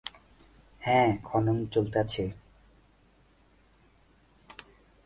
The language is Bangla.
হ্যাঁ, খনন চলতাছে।